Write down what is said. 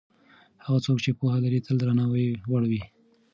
هغه څوک چې پوهه لري تل د درناوي وړ دی.